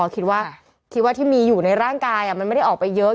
คิดว่าคิดว่าที่มีอยู่ในร่างกายมันไม่ได้ออกไปเยอะ